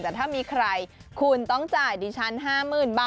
แต่ถ้ามีใครคุณต้องจ่ายดิฉัน๕๐๐๐บาท